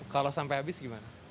kalau sampai habis gimana